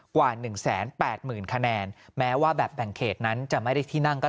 กว่า๑๘๐๐๐คะแนนแม้ว่าแบบแบ่งเขตนั้นจะไม่ได้ที่นั่งก็